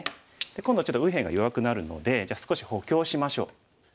今度ちょっと右辺が弱くなるので少し補強しましょう。